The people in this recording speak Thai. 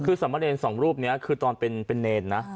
คือสัมมาเรนสองรูปเนี่ยคือตอนเป็นเรนนะ